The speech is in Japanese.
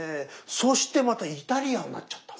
そしてまたイタリアンになっちゃった。